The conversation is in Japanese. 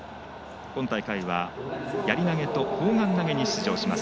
今大会は、やり投げと砲丸投げに出場します。